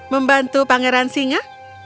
membantu pangeran singa